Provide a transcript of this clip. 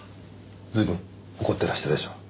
随分怒ってらしたでしょ？